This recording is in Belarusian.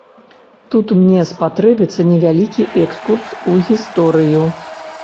Тут мне спатрэбіцца невялікі экскурс у гісторыю.